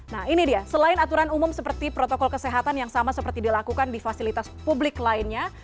nah ini dia selain aturan umum seperti protokol kesehatan yang sama seperti dilakukan di fasilitas publik lainnya